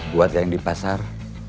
buat yang di pasar